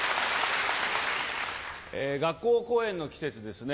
学校公演の季節ですね。